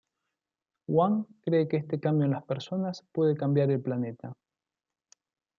Wang cree que este cambio en las personas puede cambiar el planeta.